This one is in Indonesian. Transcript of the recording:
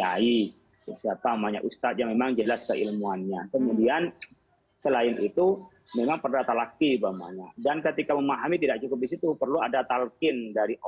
apa yang masuk dalam hal ini